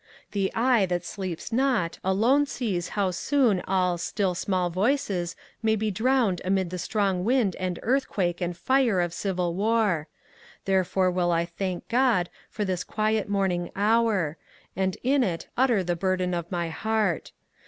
The eye that sleeps not alone sees how soon all ^' still small voices " may be drowned amid the strong wind and earthquake and fire of civil war ; there fore will I thank God for this quiet morning hour, and in it utter the burden of my heart.